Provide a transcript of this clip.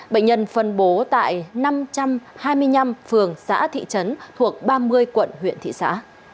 bệnh nhân phân bố tại năm trăm hai mươi năm phường xã thị trấn thuộc ba mươi quận huyện thị xã